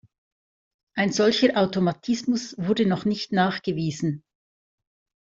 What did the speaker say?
Ein solcher Automatismus wurde noch nicht nachgewiesen.